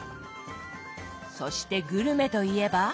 そしてグルメといえば。